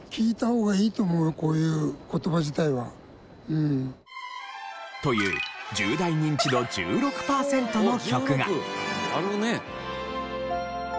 なんかわかったかも。という１０代ニンチド１６パーセントの曲が。